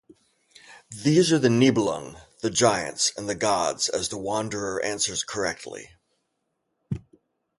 These are the Nibelung, the Giants, and the Gods, as the Wanderer answers correctly.